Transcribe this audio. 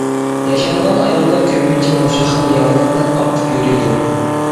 ياشانغان ئاياللار كۆپىنچە مۇشۇ خىل ياغلىقنى ئارتىپ يۈرىدۇ.